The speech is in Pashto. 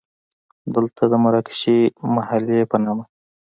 دلته د مراکشي محلې په نامه.